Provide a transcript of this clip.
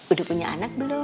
udah punya anak belum